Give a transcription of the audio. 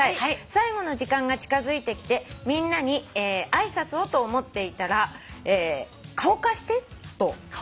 最後の時間が近づいてきてみんなに挨拶をと思っていたら『顔貸して』と」